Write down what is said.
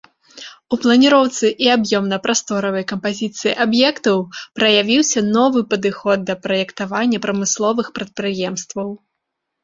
У планіроўцы і аб'ёмна-прасторавай кампазіцыі аб'ектаў праявіўся новы падыход да праектавання прамысловых прадпрыемстваў.